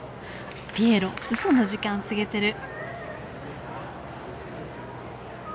ピエロうその時間告げてる。